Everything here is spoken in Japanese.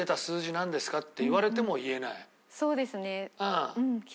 そうですね。